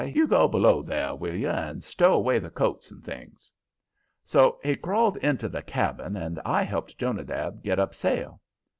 "You go below there, will you, and stow away the coats and things." So he crawled into the cabin, and I helped Jonadab get up sail.